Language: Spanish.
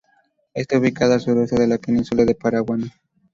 Está ubicada al suroeste de la península de Paraguaná.